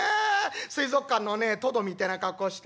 水族館のねトドみてえな格好して。